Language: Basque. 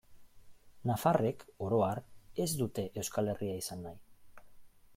Nafarrek, oro har, ez dute Euskal Herria izan nahi.